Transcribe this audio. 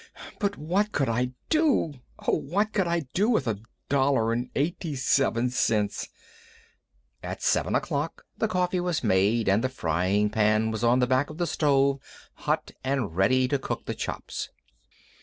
But what could I do—oh! what could I do with a dollar and eighty seven cents?" At 7 o'clock the coffee was made and the frying pan was on the back of the stove hot and ready to cook the chops.